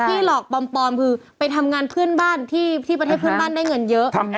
หลอกปลอมคือไปทำงานเพื่อนบ้านที่ประเทศเพื่อนบ้านได้เงินเยอะ